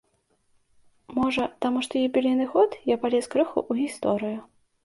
Можа, таму што юбілейны год, я палез крыху ў гісторыю.